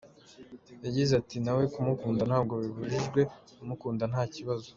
Yagize ati : ”Nawe kumukunda ntabwo bibujijwe, kumukunda nta kibazo.